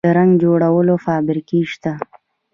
د رنګ جوړولو فابریکې شته